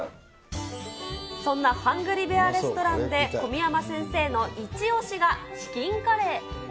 そんなハングリーベア・レストランで小宮山先生の一押しが、チキンカレー。